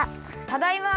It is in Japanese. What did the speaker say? ただいま！